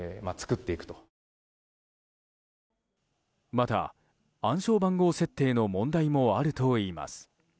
また、暗証番号設定の問題もあるといいます。